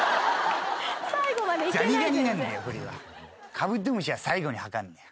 カブトムシは最後に測るんだよ。